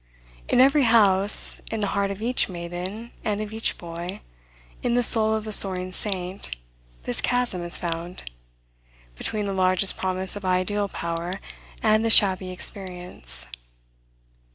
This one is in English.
In every house, in the heart of each maiden, and of each boy, in the soul of the soaring saint, this chasm is found, between the largest promise of ideal power, and the shabby experience.